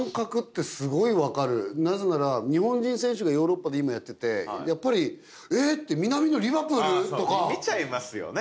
なぜなら日本人選手がヨーロッパで今やってて「えっ！？南野リヴァプール！？」とか。見ちゃいますよね。